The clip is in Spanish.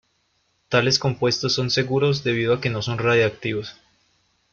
Tales compuestos son seguros debido a que no son radioactivos.